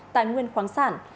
tài nguyên khoáng sản